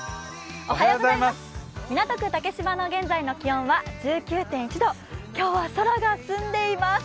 港区竹芝の現在の気温は１９．１度今日は空が澄んでいます。